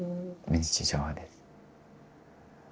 日常です。